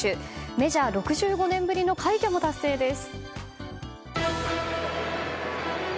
メジャー６５年ぶりの快挙も達成です。